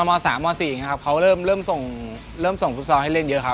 ม๓ม๔อย่างนี้ครับเขาเริ่มส่งเริ่มส่งฟุตซอลให้เล่นเยอะครับ